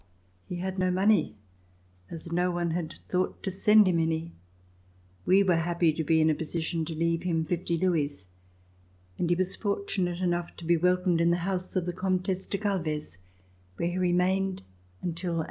He had no money, as no one had thought to send him any. We were happy to be in a position to leave him fifty louis, and he was fortunate enough to be welcomed in the house of the Comtesse de Galvez, where he remained until 1800.